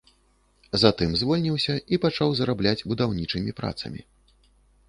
Затым звольніўся і пачаў зарабляць будаўнічымі працамі.